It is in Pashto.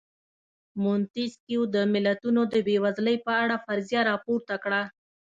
مونتیسکیو د ملتونو د بېوزلۍ په اړه فرضیه راپورته کړه.